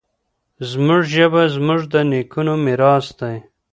زموږ ژبه زموږ د نیکونو میراث دی.